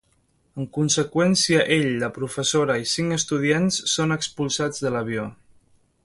En conseqüència ell, la professora i cinc estudiants són expulsats de l'avió.